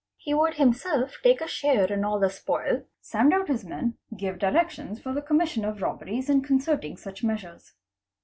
He would himself take a share in all the poil, send out his men, give directions for the commission of robberies 764 THEFT and concerting such measures.